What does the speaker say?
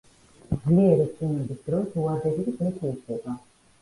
ძლიერი წვიმების დროს უადები წყლით ივსება.